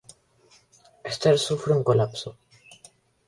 Ester sufre un colapso.